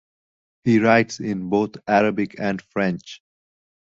He writes in both Arabic and French.